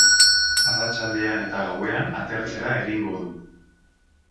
Arratsaldean eta gauean atertzera egingo du.